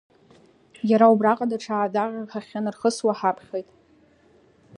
Иара убраҟа даҽа аа-даҟьак ҳахьынырхысуа ҳаԥхьоит…